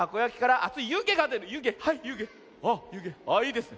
あっいいですね。